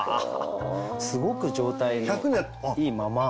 すごく状態もいいまま。